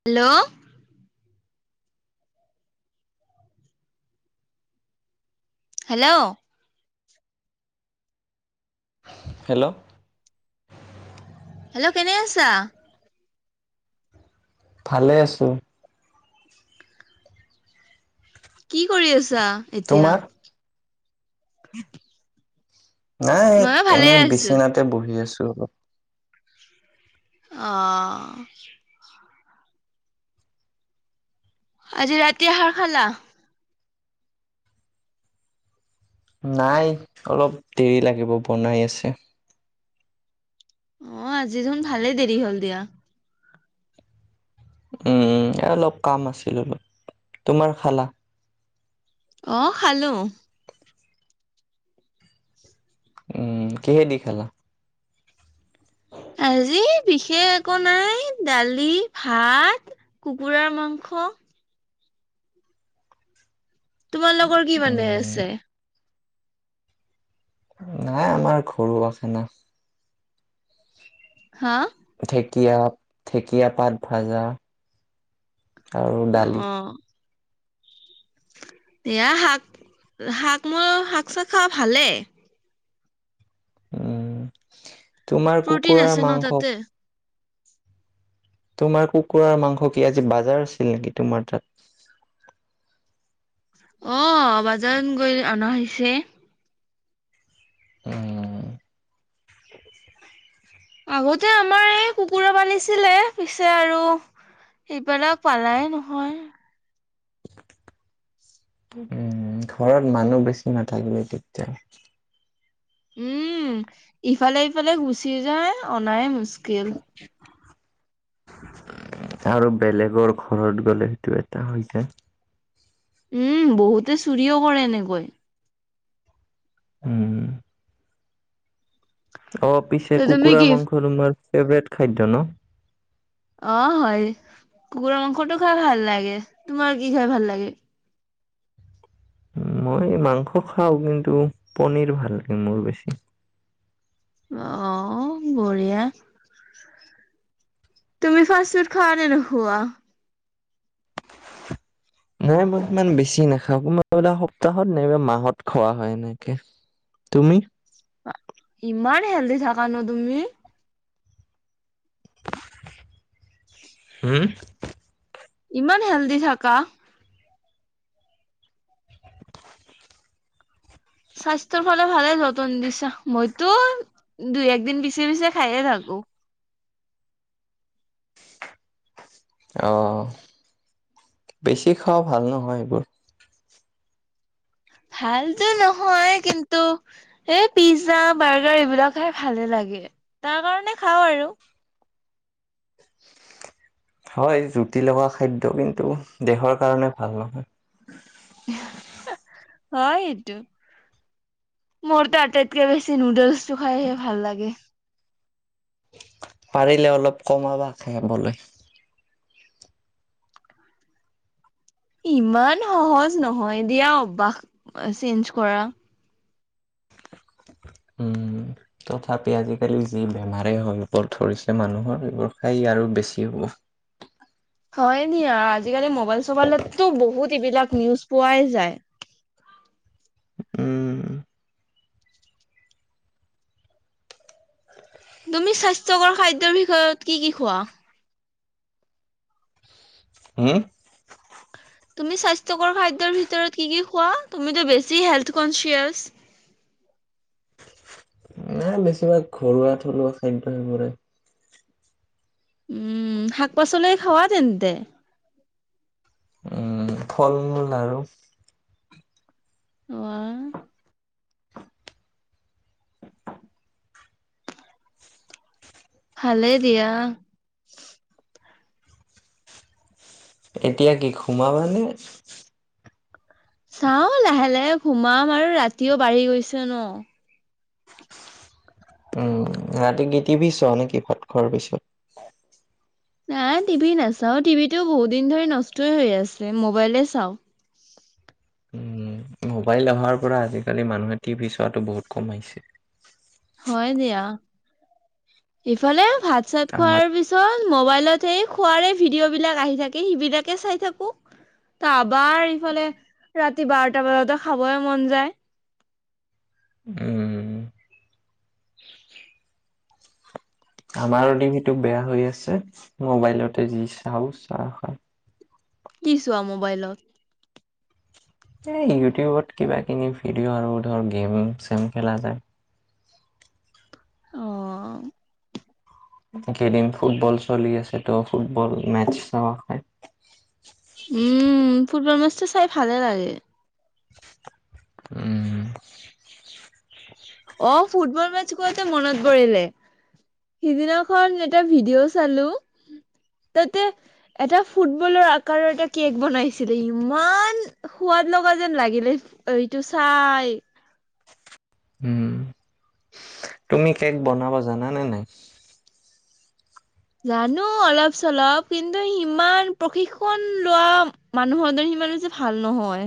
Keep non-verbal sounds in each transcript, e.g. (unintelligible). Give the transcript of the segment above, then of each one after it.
Hello? Hello. Hello? Hello কেনে আছা? ভালে আছো। কি কৰি আছ চা এতিয়া তোমাৰ (inaudible) নাই ময়ো ভালে এনে আছো বিচনাতে বহি আছো। অ। আহ। আজি ৰাতি আহাৰ খালা? নাই অলপ দেৰি লাগিব, বনাই আছে। অ আজি জুন ভালেই দেৰি হল দিয়া। উম, অলপ কাম আছিল অলপ, তোমাৰ খালা? আহ খালো। উম কিহে দি খালা? আজি বিশেষ একো নাই দালি, ভাত, কুকুৰাৰ মাংস তোমাৰ লগৰ কি মানে উম আছে? নাই আমাৰ ঘৰুৱাখানা। হা? ঢেকীয়া, ঢেকীয়া পাত ভাজা আৰু দালি অ এয়া শাক, শাক ম শাক চাক খা ভালে। উম। তোমাৰ প্ৰটিন কুকুৰাৰ আছে ন মাংস তাতে তোমাৰ কুকুৰাৰ মাংস কি আজি বাজাৰ আছিল নেকি তোমাৰ তাত? অ বাজাৰত গৈলে অনা হৈছে। অ। আগতে আমাৰ এই কুকুৰা পালিছিলে পিছে আৰু সেইবিলাক পালাই নহয়। উম ঘৰত মানুহ বেছি নাথাকিলে তেতিয়া উম, ইফালে ইফালে গুচি যায়, অনাই মুস্ক কোপ‌ চি (inaudible) আৰু বেলেগৰ ঘৰত গলে সেইটো এটা হৈ যায়। উম, বহুতে চুৰিও কৰে এনেকৈ। উম। অ পিছে ত তুমি কুকুৰাৰ কি মাংস তোমাৰ ফেভৰেট খাদ্য ন? অ হয়। কুকুৰা মাংসটো খাই ভাল লাগে। তোমাৰ কি খাই ভাল লাগে? মই মাংস খাও কিন্তু পনীৰ ভাল লাগে মোৰ বেছি। অ বৰিয়া। তুমি ফাষ্ট ফুড খোৱা নে নোখোৱো? নাই মই ইমান বেছি নাখাওঁ কোনা সপ্তাহত নাইবা মাহত খোৱা হয় এনেকে। তুমি? হেলডি থাকানো তুমি হুম ইমান হেল্ডি থাকা স্বাস্থ্যৰ ফালে ভালে যত নতুন দিছা মইতো দুই একদিন পিছে পিছে খায়ে থাকো অ বেছি খাওঁ ভাল নহয় এইবোৰ। ভালতো নহয় কিন্তু এই পিজ্জা বাৰ্গাৰ এইবিলাক খাই ভালে লাগে তাৰ কাৰণে খাওঁ আৰু হয় জুতি লগা খাদ্য কিন্তু দেহৰ কাৰণে ভাল নহয়। হে আহ। হয় এইটো মোৰতো আটাইতকে বেছি নুডলছটো খাইহে ভাল লাগে। পাৰিলে অলপ কমাবা খাবলৈ। ইমান সহজ নহয় দিয়া অভ্যাস চেঞ্জ কৰা। উম। তথাপি আজিকালি যি বেমাৰে হয় ওবোৰ ধৰিছে মানুহৰ সেইবোৰ খাই আৰু বেছি হ'ব হয় নি আজিকালি মোবাইল চবাইলতো বহুত এইবিলাক নিউজ পোৱাই যায় উম তুমি স্বাস্থ্যকৰ খাদ্যৰ বিষয়ত কি কি খোৱা? হম, তুমি স্বাস্থ্যকৰ খাদ্যৰ ভিতৰত কি কি খোৱা? তুমিটো বেছি হেলথ কন্চিউৱাছ নাই বেছিভাগ ঘৰুৱা থলুৱা খাদ্য সেইবোৰে। উম শাক পাচলি খোৱা তেন্তে উম, ফল মূল আৰু আহ ভালে দিয়া এতিয়া কি ঘোমাবা নে? চাও লাহে লাহে সোমাম আৰু ৰাতিও বাঢ়ি গৈছে ন। উম ৰাতি গিতিবি চ নেকি ভাত খোৱাৰ পিছত নাই টিভি নাচাও টিভিটো বহুত দিন ধৰি নষ্টই হৈ আছে মোবাইলে চাও। উম, মোবাইল অহাৰ পৰা আজিকালি মানুহে টি ভি চোৱাটো বহুত কমাইছে হয় দিয়া ইফালে ভাত চাত খোৱাৰ আমাৰ পিছত মবাইলত সেই খোৱাৰে ভিডিঅ বিলাক আহি থাকি স বিলাকে চাই থাকো। তবাৰ ইফালে ৰাতি বাৰটা বজাত খাব মন যায় উম আমাৰ ও টিভিটো বেয়া হৈ আছে মোবাইলতে যি চাওঁ চাওঁ খ কি চোৱা মোবাইলত? এই ইউটিউবত কিবা কিনি ভিডিঅ' আৰু ধৰ গেম চেম খেলা যায়। আহ কেইদিন ফুটবল চলি আছে তো ফুটবল মেচ চাওঁ। উম ফুটবল মই চাই ভালে লাগে উম অ ফুটবল ম তে মনত পৰিলে সিদিনাখন এটা ভিডিঅ' চালো তাতে এটা ফুটবলৰ আকাৰৰ এটা কেক বনাইছিলে ইমান সোৱাদ লগা যেন লাগিলে এইটো চাই। হম। তুমি কেক বনাবা। জানা নাই নাই? জানো অলপ চলপ কিন্তু সিমান প্ৰশিক্ষণ লোৱা মানুহৰ দৰে সিমান ব হৈছে ভাল নহয়।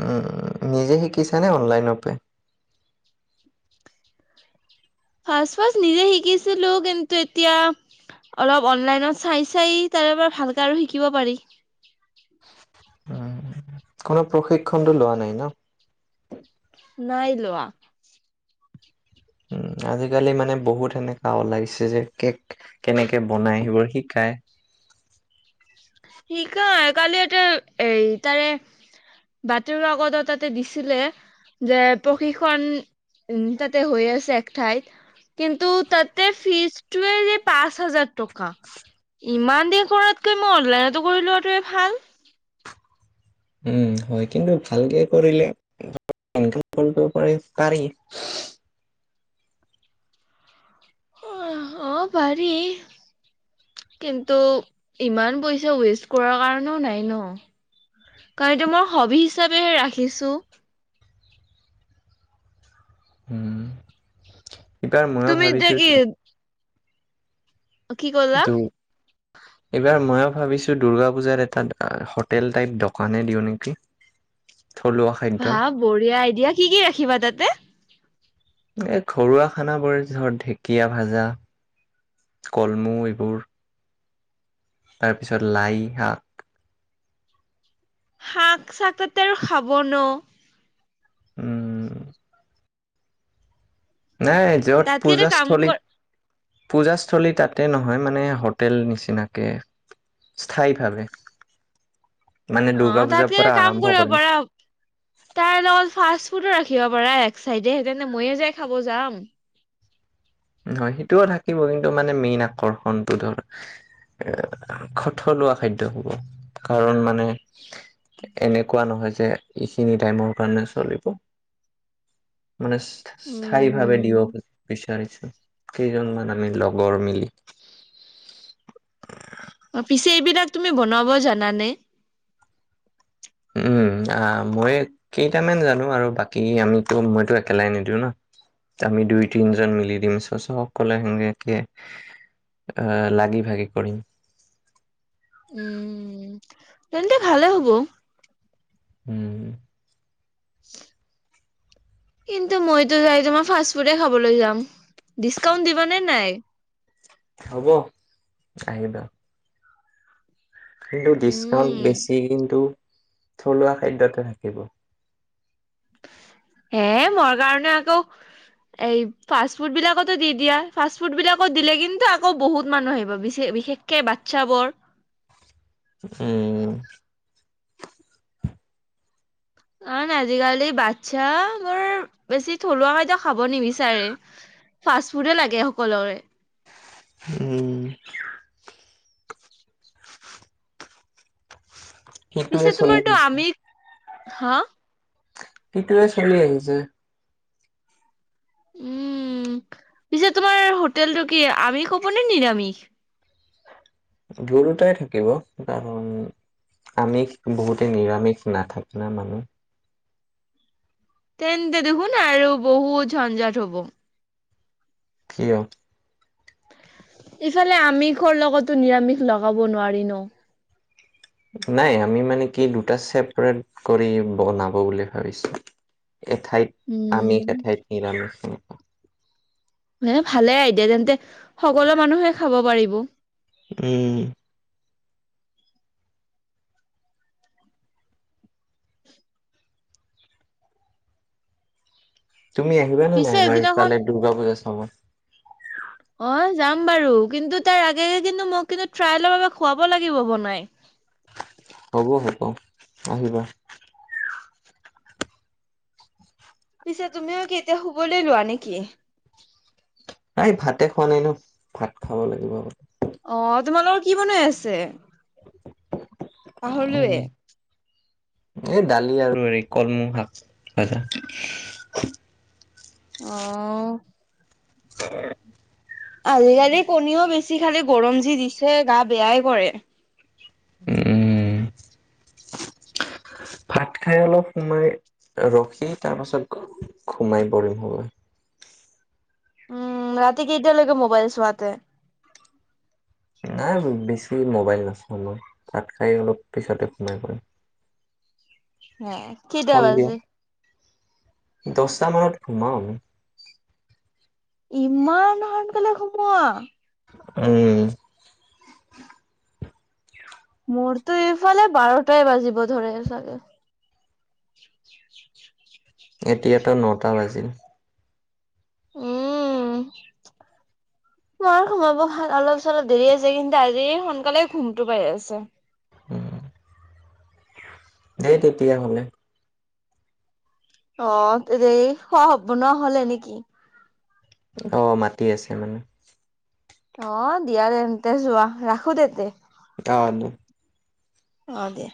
উম উ নিজে শিকিছ নে অনলাইনপ। ফাৰ্ষ্ট ফাৰ্ষ্ট নিজে শিকিছিলো কিন্তু এতিয়া অলপ অনলাইনত চাই চাই তাৰে পৰা ভালকে আৰু শিকিব পাৰি।। উ কোনো প্ৰশিক্ষণটো লোৱা নাই ন।। নাই লোৱা। উম আজিকালি মানে বহুত হেনকা ওলাগিছে যে কেক কেনেকে বনাই সেইবোৰৰ শিকায়। শিকায় কালি এ এ তাৰে বাতৰি আগত তাতে দিছিলে যে প্ৰশিক্ষন উম তাতে হৈ আছে এক ঠাইত কিন্তু তাতে ফিজটে যে পাঁচ হাজাৰ টকা ইমান দেৰি কৰাতকৈ মই অনলাইনত।। লোৱাটোৱে ভাল।। উম হয় কিন্তু ভালকে কৰিলে কৰিব পাৰি পাৰি।। অঁ পাৰি কিন্তু ইমান পইচা ৱেষ্ট কৰাৰ কাৰণেও নাই ন কাৰণ এইটো মই হবি হিচাপে ৰাখিছো উম এইবাৰ মই তুমি এতিয়া ভাবিছো।। কি অ কি কলা? এইবাৰ ময়ো ভাবিছোঁ দুৰ্গা পূজাত এটা হোটেল টাইপ দোকানেই দিওঁ নেকি। থলুৱা খাদ্যৰ ভা বঢ়িয়া আই দিয়া কি কি ৰাখিবা তাতে এই ঘৰুৱা খানাবোৰ ধৰ ঢেকীয়া ভাজা কলমৌ এইবোৰ তাৰপিছত লাই শাক'- শাক চাকতেৰ খাব ন উম নাই যত তাতকে এটা পূজা কাম স্থলী কৰ পূজাস্থলী তাতে নহয় মানে হোটেল নিচিনাকে স্থায়ীভাৱে মানে দুৰ্গা অঁ পূজাৰ তাতকে পৰা কাম আৰম্ভ কৰিব কৰিম পাৰা তাই লগ ফ ফুটো ৰাখিব পাৰা এক চাইডেহেঁতে ময়ে যাই খাব যাম হয় সেইটোও থাকিব কিন্তু মানে মেইন আকৰ্ষণটো ধৰ এ খথলুৱা খাদ্য হব কাৰণ মানে এনেকুৱা নহয় যে এইখিনি টাইমৰ কাৰণে চলিব। মানে স্থায়ী ভাৱে দিব বিচাৰিছো। কেইজনমান আমি লগৰ মিলি। অ পিছে এইবিলাক তুমি বনাব জানানে? উম আহ মই কেইটামান জানো আৰু বাকী আমিতো মইতো একেলাই নিদিওঁ ন আমি দুই তিনজন মিলি দিম চ চ সকললে সেনেকে আহ লাগি ভাগি কৰিম। উম তেন্তে ভালে হ'ব। উম। কিন্তু মইতো যাই তোমাৰ ফাষ্ট ফুডে খাবলৈ যাম। ডিচকাউণ্ট দিব নে নাই? হব আহিবা। কিন্তু ডিছকাউন্ট উম বেছি কিন্তু। থলুৱা খাদ্যতহে থাকিব। হে মোৰ কাৰণে আকৌ এই ফাষ্ট ফুড বিলাকতো দি দিয়া। ফাষ্ট ফুড বিলাকত দিলে কিন্তু আকৌ বহুত মানুহ আহিব বিশে বিশেষকে বাচ্ছাবোৰ। উম। কাৰণ আজিকালি বাচ্ছা মোৰ বেছি থলুৱা খাদ্য খাব নিবিচাৰে, ফাষ্ট ফুডে লাগে সকলোৰে। উম। সিটোৱে পিছে চলি তোমাৰটো আমি হা? সেইটোৱে চলি আহিছে। উম, পিছে তোমাৰ হোটেলটো কি আমিষ হ'বনে নিৰামিষ? দুৰুটাই থাকিব কাৰণ আমিষ বহুতে নিৰামিষ নাথাকে ন। তেনে দেখোন আৰু বহুত ঝঞ্জাত হব। কিয়? ইফালে আমিষৰ লগতো নিৰামিষ লগাব নোৱাৰি ন। নাই আমি মানে কি দুটা ছেপাৰেট কৰি বনাব বুলি ভাবিছো। এঠাইত আমিষ, উম এঠাইত নিৰামিষ। ভালে আইদিয়া তেন্তে, সকলো মানুহে খাব পাৰিব। উম। (unintelligible) তুমি আহিবানে নাই পিছে এদিনাখন আমাৰফালে দুৰ্গা পূজা চাব? অ যাম বাৰু কিন্তু তাৰ আগে আগে কিন্তু মোক কিন্তু ট্ৰাইলৰ বাবে খুৱাব লাগিব বনাই। হ'ব হব আহিবা। পিছে তুমিও কি এতিয়া শুবলৈ লোৱা নেকি? নাই ভাতে খোৱা নাই ন, ভাত খাব লাগিব। অ তোমালোকৰ কি বনাই আছে? পাহৰিলোঁয়ে? উম, এই দালি আৰু হেৰি কলমৌ শাক ভজা। অহ। (unintelligible) আজিকালি কণীও বেছি খালি গৰম যি দিছে গা বেয়াই কৰে। উম। ভাত খাই অলপ সোমাই, ৰখি তাৰ পাছত সোমাই পৰিম শুবলৈ। উম ৰাতি কেইটালৈকে মোবাইল চোৱাতে? নাই বেছি মোবাইল নাচো মই, তাত খাই অলপ পিছতে সোমাই পৰিম। হে কেইটা সন্ধিয়া, বাজে? দছটা মানত। সোমাওঁ আমি। ইমান সোনকালে সোমোৱা। উম। মোৰতো এইফালে বাৰটাই বাজিব ধৰে চাগে। এতিয়াতো নটা বাজিল। উম, মাৰ সোমাব হ'ল অলপ চলপ দেৰি আছে কিন্তু আজি সোনকালে ঘুমটো পাৰি আছে। উম। দে তেতিয়া হলে। অ খোৱা এনেই‌ বনোৱা হলেই নেকি? অ মাতি আছে মানে। অ দিয়া তেন্তে যোৱা ৰাখো তেন্তে। অ ন অ দে।